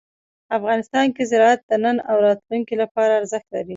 افغانستان کې زراعت د نن او راتلونکي لپاره ارزښت لري.